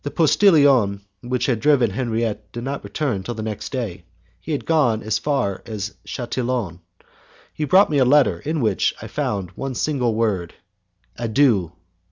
The postillion who had driven Henriette did not return till the next day; he had gone as far as Chatillon. He brought me a letter in which I found one single word: Adieu!